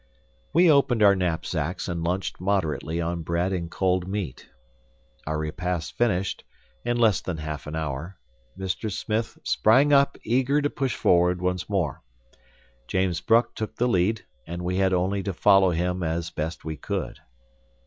We opened our knapsacks and lunched moderately on bread and cold meat. Our repast finished, in less than half an hour, Mr. Smith sprang up eager to push forward once more. James Bruck took the lead; and we had only to follow him as best we could.